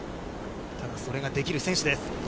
ただそれができる選手です。